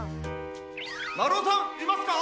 まるおさんいますか？